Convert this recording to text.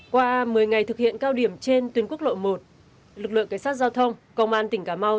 qua một mươi ngày thực hiện cao điểm trên tuyến quốc lộ một lực lượng cảnh sát giao thông công an tỉnh cà mau